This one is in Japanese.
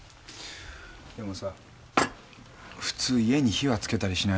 でもさ普通家に火はつけたりしないだろ。